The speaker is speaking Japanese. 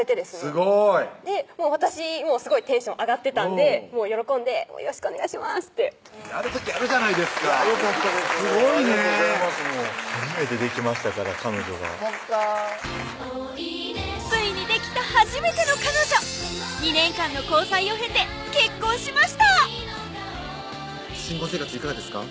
すごい私すごいテンション上がってたんで「喜んで！よろしくお願いします」ってやる時やるじゃないですかすごいね初めてできましたから彼女がそっかついにできた初めての彼女２年間の交際を経て結婚しました新婚生活いかがですか？